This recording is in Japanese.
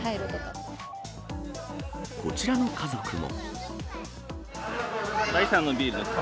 こちらの家族も。